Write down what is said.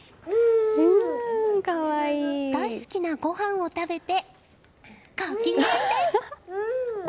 大好きなご飯を食べてご機嫌です！